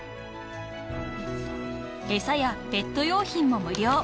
［餌やペット用品も無料］